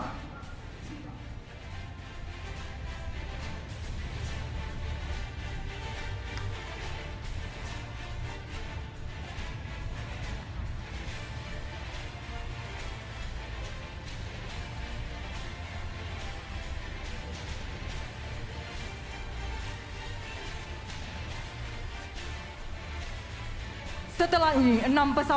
dan juga serangan udara dan serangan rudal